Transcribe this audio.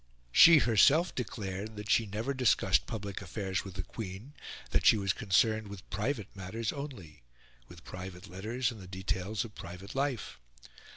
She herself declared that she never discussed public affairs with the Queen, that she was concerned with private matters only with private letters and the details of private life.